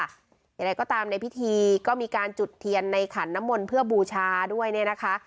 อย่างไรก็ตามในพิธีก็มีการจุดเทียนในขันน้ำมนต์เพื่อบูชาด้วยเนี่ยนะคะ